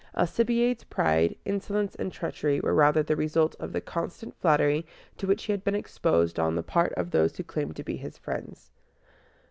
Alcibiades' pride, insolence, and treachery were rather the result of the constant flattery to which he had been exposed on the part of those who claimed to be his friends.